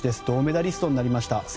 銅メダリストになりました。